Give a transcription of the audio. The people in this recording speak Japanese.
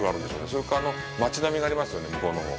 それか、あの町並みがありますよね、向こうのほう。